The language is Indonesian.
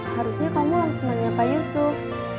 harusnya kamu langsung tanya pak yusuf